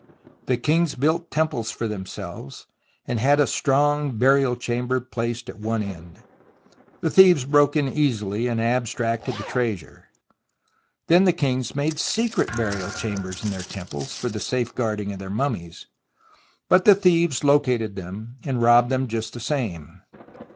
The kings built temples for themselves, and had a strong burial chamber placed at one end. The thieves broke in easily and abstracted the treasure. Then the kings made secret burial chambers in their temples for the safeguarding of 80 THE ROMANCE OF EXCAVATION their mummies, but the thieves located them, and robbed them just the same.